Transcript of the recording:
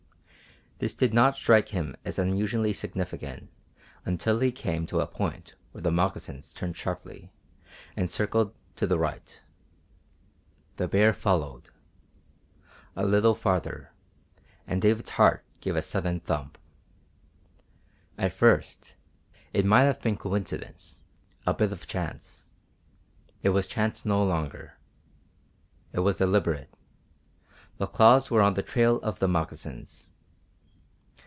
This did not strike him as unusually significant until he came to a point where the moccasins turned sharply and circled to the right. The bear followed. A little farther and David's heart gave a sudden thump! At first it might have been coincidence, a bit of chance. It was chance no longer. It was deliberate. The claws were on the trail of the moccasins.